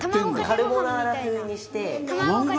カルボナーラ風にして。